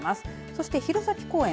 そして弘前公園